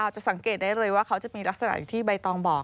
จะสังเกตได้เลยว่าเขาจะมีลักษณะอย่างที่ใบตองบอก